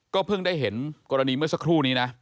เพิ่งได้เห็นกรณีเมื่อสักครู่นี้นะ